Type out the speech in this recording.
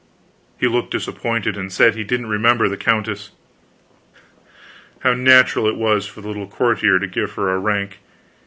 He looked disappointed, and said he didn't remember the countess. How natural it was for the little courtier to give her a rank.